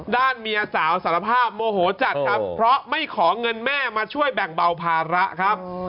เมียสาวสารภาพโมโหจัดครับเพราะไม่ขอเงินแม่มาช่วยแบ่งเบาภาระครับ